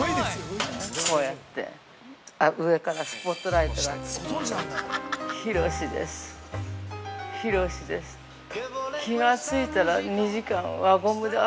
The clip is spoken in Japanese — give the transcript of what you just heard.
◆こうやって、上からスポットライトが当たって。